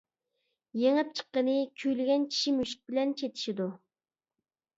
يېڭىپ چىققىنى كۈيلىگەن چىشى مۈشۈك بىلەن چېتىشىدۇ.